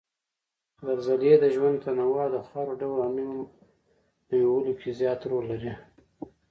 زلزلې د ژوند تنوع او د خاورو ډول او نويولو کې زیات رول لري